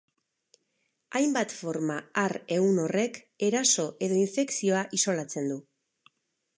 Hainbat forma har ehun horrek eraso edo infekzioa isolatzen du.